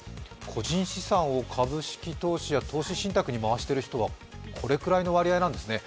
個人資産を株式投資や投資信託に回している人はこれくらいの割合なんですね。